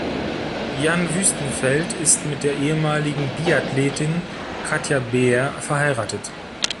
Jan Wüstenfeld ist mit der ehemaligen Biathletin Katja Beer verheiratet.